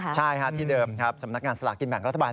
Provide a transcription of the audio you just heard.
ใช่ที่เดิมสำนักงานสถากินแบบรัฐบาล